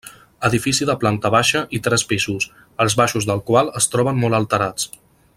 Edifici de planta baixa i tres pisos, els baixos del qual es troben molt alterats.